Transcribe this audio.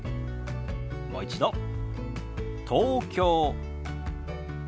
もう一度「東京」。